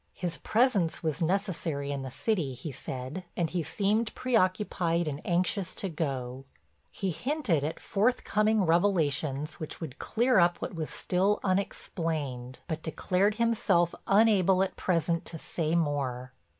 His presence was necessary in the city, he said, and he seemed preoccupied and anxious to go. He hinted at forthcoming revelations which would clear up what was still unexplained, but declared himself unable at present to say more.